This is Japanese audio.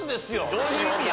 どういう意味や？